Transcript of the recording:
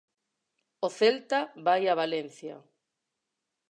O Celta vai a Valencia.